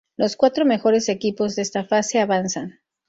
Los cuatro mejores equipos de esta fase avanzan.